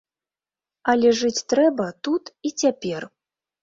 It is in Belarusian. Але жыць трэба тут і цяпер.